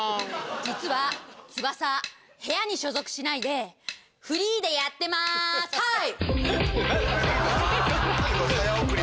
実はつばさ部屋に所属しないでフリーでやってますはい！